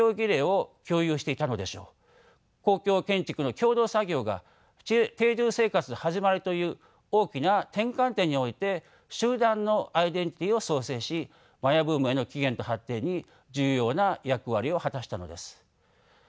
公共建築の共同作業が定住生活の始まりという大きな転換点において集団のアイデンティティーを創生しマヤ文明の起源と発展に重要な役割を果たしたのです。